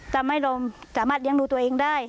ทำให้เราสามารถเรียนรู้ตัวเองได้